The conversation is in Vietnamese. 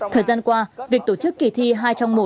thời gian qua việc tổ chức kỳ thi hai trong một